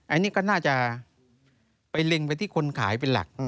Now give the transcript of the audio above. อันนี้ก็น่าจะไปเล็งไปที่คนขายเป็นหลัก